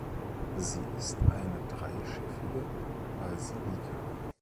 Sie ist eine dreischiffige Basilika.